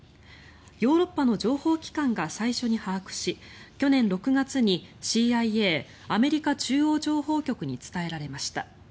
ヨーロッパの情報機関が最初に把握し去年６月にＣＩＡ・アメリカ中央情報局に伝えられました。